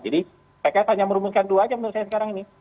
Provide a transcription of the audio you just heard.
jadi pks hanya merumuskan dua aja menurut saya sekarang ini